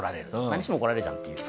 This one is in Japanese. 何しても怒られちゃうっていう。